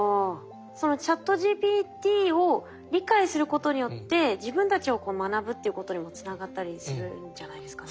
そのＣｈａｔＧＰＴを理解することによって自分たちを学ぶっていうことにもつながったりするんじゃないですかね。